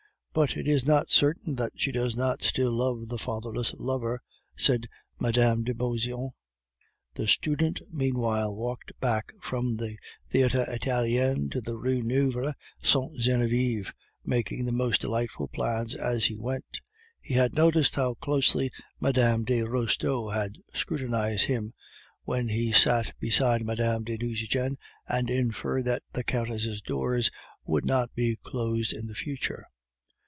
"But it is not certain that she does not still love the faithless lover," said Mme. de Beauseant. The student meanwhile walked back from the Theatre Italien to the Rue Neuve Sainte Genevieve, making the most delightful plans as he went. He had noticed how closely Mme. de Restaud had scrutinized him when he sat beside Mme. de Nucingen, and inferred that the Countess' doors would not be closed in the future.